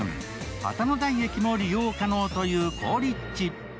旗の台駅も利用可能という好立地。